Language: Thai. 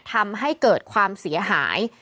ทำให้เกิดความเสียหาย